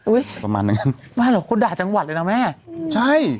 อุ๊ยประมาณนั้นว่าหรอคนด่าจังหวัดเลยนะแม่อืมใช่